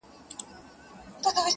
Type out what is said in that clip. دا د روپیو تاوان څۀ ته وایي ،